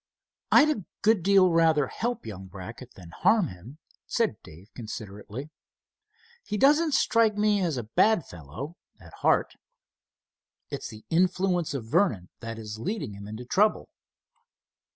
"I'd a good deal rather help young Brackett than harm him," said Dave, considerately. "He doesn't strike me as a bad fellow at heart. It's the influence of Vernon that is leading him into trouble."